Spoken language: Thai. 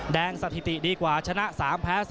สถิติดีกว่าชนะ๓แพ้๒